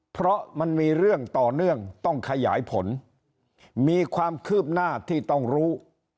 เพราะมันมีเรื่องต่อเนื่องต้องขยายผลมีความคืบหน้าที่ต้องรู้